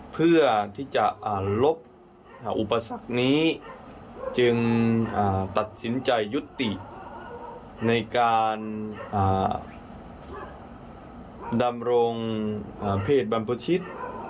เพื่อที่จะลบอุปสรรคนี้จึงตัดสินใจยุติในการดำรงเพศบรรพชิต